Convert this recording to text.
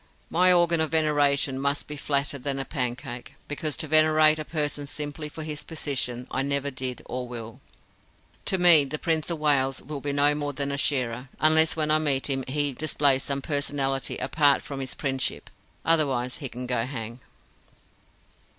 My organ of veneration must be flatter than a pancake, because to venerate a person simply for his position I never did or will. To me the Prince of Wales will be no more than a shearer, unless when I meet him he displays some personality apart from his princeship otherwise he can go hang.